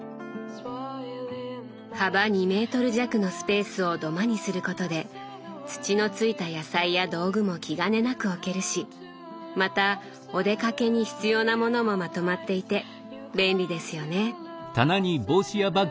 幅２メートル弱のスペースを土間にすることで土のついた野菜や道具も気兼ねなく置けるしまたお出かけに必要なものもまとまっていて便利ですよね。